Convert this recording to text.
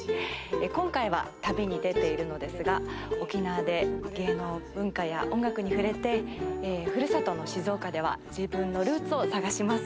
今回は旅に出ているのですが沖縄で芸能文化や音楽に触れてふるさとの静岡では自分のルーツを探します。